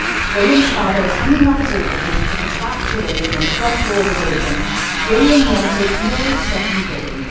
William's father was hanging up his overcoat with his back to William, and the front door was open. William wanted no second bidding.